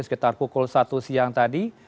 sekitar pukul satu siang tadi